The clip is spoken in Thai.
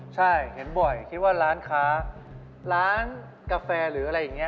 ใช่เห็นบ่อยคิดว่าร้านค้าร้านกาแฟหรืออะไรอย่างนี้